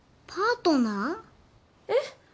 えっ？